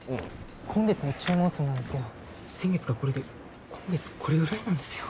今月の注文数なんですけど先月がこれで今月これぐらいなんですよ。